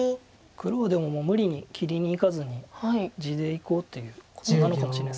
黒はでも無理に切りにいかずに地でいこうということなのかもしれないです。